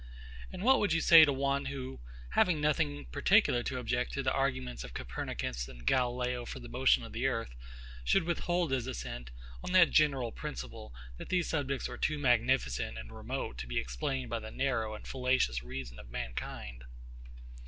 And what would you say to one, who, having nothing particular to object to the arguments of COPERNICUS and GALILEO for the motion of the earth, should withhold his assent, on that general principle, that these subjects were too magnificent and remote to be explained by the narrow and fallacious reason of mankind?